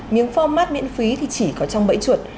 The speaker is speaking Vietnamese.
những format miễn phí thì chỉ có trong bẫy chuột